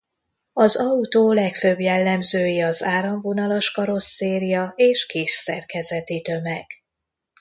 Az autó legfőbb jellemzői az áramvonalas karosszéria és kis szerkezeti tömeg.